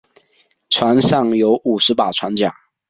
船上有五十把船浆。